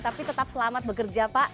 tapi tetap selamat bekerja pak